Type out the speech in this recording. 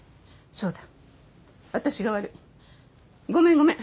そうだ私が悪いごめんごめん